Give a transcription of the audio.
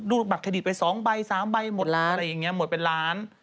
บัตรเครดิตไป๒ใบ๓ใบหมดล้านอะไรอย่างนี้หมดเป็นล้าน